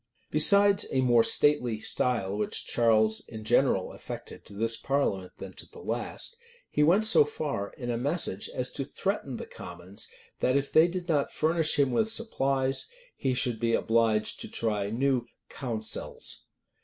Besides a more stately style which Charles in general affected to this parliament than to the last, he went so far, in a message, as to threaten the commons that, if they did not furnish him with supplies, he should be obliged to try new "counsels."